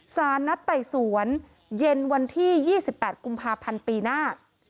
สารนัดไต่สวนเย็นวันที่๒๘กุมภาพันธ์ปีหน้า